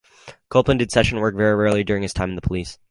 Copeland did session work very rarely during his time in The Police.